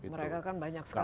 mereka kan banyak sekali